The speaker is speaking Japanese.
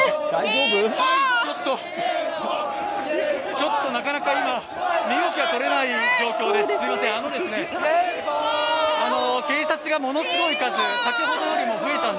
ちょっと、なかなか今身動きがとれない状況です、すいません。